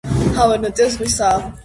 ჰავა ნოტიო ზღვისაა.